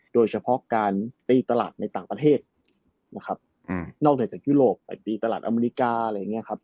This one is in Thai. โดยเฉพาะการตีตลาดในต่างประเทศนอกจากยุโรปไปตีตลาดอเมริกา